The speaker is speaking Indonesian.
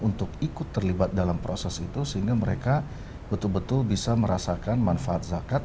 untuk ikut terlibat dalam proses itu sehingga mereka betul betul bisa merasakan manfaat zakat